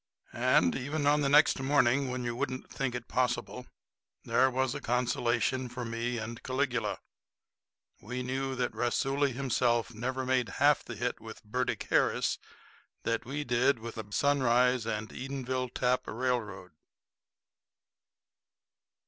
And even on the next morning, when you wouldn't think it possible, there was a consolation for me and Caligula. We knew that Raisuli himself never made half the hit with Burdick Harris that we did with the Sunrise & Edenville Tap Railroad.